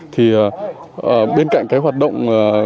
thì bên cạnh cái hoạt động